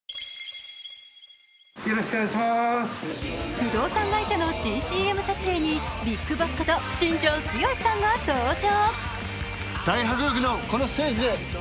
不動産会社の新ＣＭ撮影にビッグボスこと新庄剛志さんが登場。